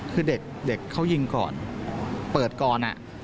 คือเด็กเขายิงก่อนเปิดก่อน